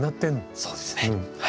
そうですねはい。